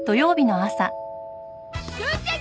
父ちゃん